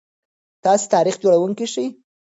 تاسي تاریخ جوړونکي شئ.